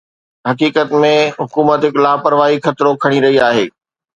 حقيقت ۾، حڪومت هڪ لاپرواهي خطرو کڻي رهي آهي